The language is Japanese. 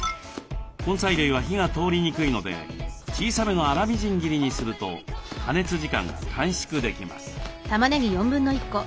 根菜類は火が通りにくいので小さめの粗みじん切りにすると加熱時間が短縮できます。